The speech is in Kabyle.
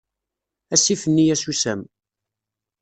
Asif-nni asusam.